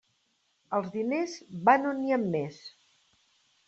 Els diners van on n'hi ha més.